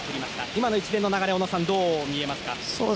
今の一連の流れ小野さん、どう見ますか？